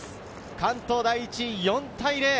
関東第一、４対０。